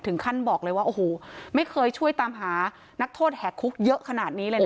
ท่านบอกเลยว่าโอ้โหไม่เคยช่วยตามหานักโทษแหกคุกเยอะขนาดนี้เลยนะ